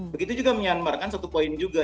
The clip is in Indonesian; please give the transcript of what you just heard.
begitu juga myanmar kan satu poin juga